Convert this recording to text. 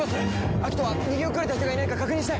アキトは逃げ遅れた人がいないか確認して！